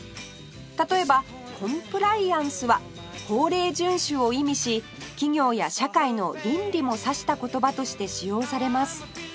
例えば「コンプライアンス」は法令遵守を意味し企業や社会の倫理も指した言葉として使用されます